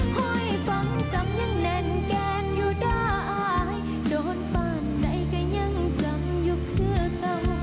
ให้ฟังจำยังแน่นแกนอยู่ได้โดนบ้านใดก็ยังจำอยู่เพื่อเงา